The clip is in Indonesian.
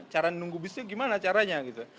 cara nunggu bisnya gimana caranya gitu